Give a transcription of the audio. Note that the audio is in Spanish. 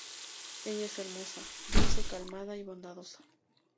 Ella es hermosa, dulce, calmada y bondadosa.